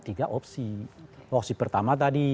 tiga opsi opsi pertama tadi